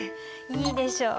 いいでしょう？